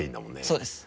そうです。